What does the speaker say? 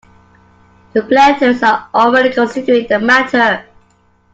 The planters are already considering the matter.